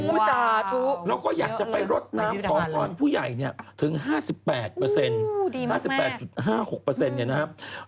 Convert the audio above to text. สาธุแล้วก็อยากจะไปรดน้ำขอพรผู้ใหญ่เนี่ยถึง๕๘๕๘๕๖เนี่ยนะครับ